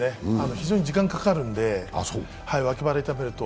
非常に時間かかるんで、わき腹傷めると。